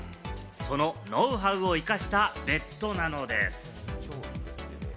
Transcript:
そのノウハウを生かしたベッドなのです。